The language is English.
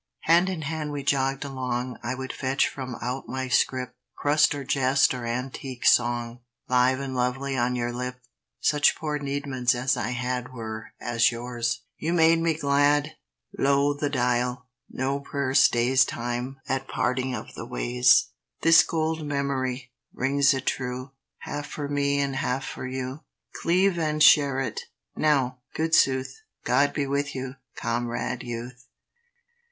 Hand in hand we jogged along; I would fetch from out my scrip, Crust or jest or antique song, Live and lovely, on your lip, Such poor needments as I had Were as yours; you made me glad. Lo, the dial! No prayer stays Time, at parting of the ways! This gold memory rings it true? Half for me and half for you. Cleave and share it. Now, good sooth, God be with you, Comrade Youth!